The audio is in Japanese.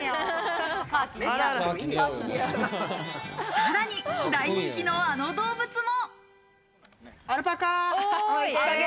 さらに大人気のあの動物も。